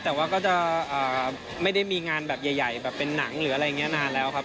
แต่ว่าก็จะไม่ได้มีงานแบบใหญ่แบบเป็นหนังหรืออะไรอย่างนี้นานแล้วครับ